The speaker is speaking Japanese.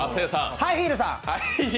ハイヒールさん！